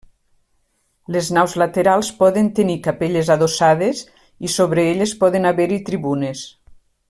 Les naus laterals poden tenir capelles adossades i sobre elles poden haver-hi tribunes.